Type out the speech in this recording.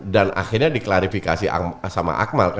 akhirnya diklarifikasi sama akmal